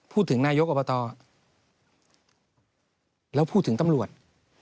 พูดถึงนายกอบตแล้วพูดถึงตำรวจ